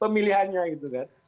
pemilihannya gitu kan